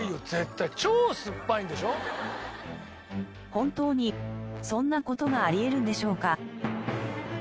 本当にそんな事がありえるのでしょうか？